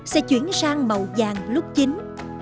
sẽ chuyển sang màu vàng lúc chính